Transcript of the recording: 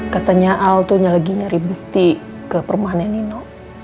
katanya al tuh lagi nyari bukti ke perumahan nino